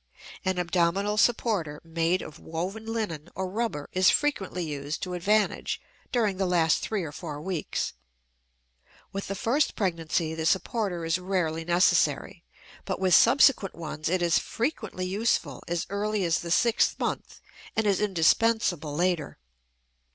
An abdominal supporter made of woven linen or rubber is frequently used to advantage during the last three or four weeks. With the first pregnancy the supporter is rarely necessary, but with subsequent ones it is frequently useful as early as the sixth month and is indispensable later.